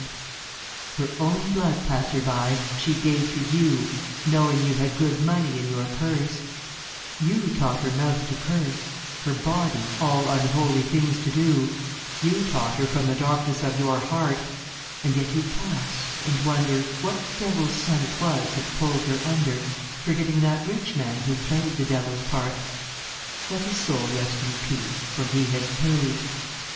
73 Pandemos. Her own blood, passer by, she gave to you Knowing you had good money in your purse, You taught her mouth to curse Her body, all unholy things to do, You taught her from the darkness of your heart, And yet you pass, and wonder What devil's son it was that pulled her under Forgetting that Rich Man who played the devil's part. Let his soul rest in peace, for he has paid.'